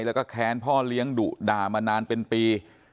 แล้วก็แค้นพ่อเลี้ยงดุด่ามานานเป็นปี